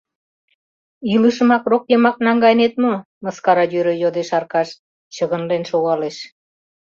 — Илышымак рок йымак наҥгайынет мо? — мыскара йӧре йодеш Аркаш, чыгынлен шогалеш.